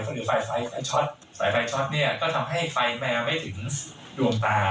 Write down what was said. ก็คือไฟช็อตสายไฟช็อตเนี่ยก็ทำให้ไฟมาไม่ถึงดวงตา